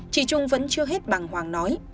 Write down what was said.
trị trung vẫn chưa hết bằng hoàng nói